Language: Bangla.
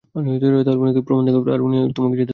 তাহলে ওনাকে প্রমাণ দেখাও, আর উনি তোমাকে যেতে দেবে।